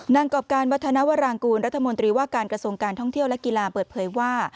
กรอบการวัฒนวรางกูลรัฐมนตรีว่าการกระทรวงการท่องเที่ยวและกีฬาเปิดเผยว่า